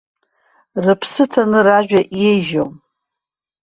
Рыԥсы ҭаны ражәа еижьом.